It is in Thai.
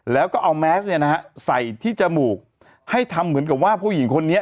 แล้วก็เอาแมสเนี่ยนะฮะใส่ที่จมูกให้ทำเหมือนกับว่าผู้หญิงคนนี้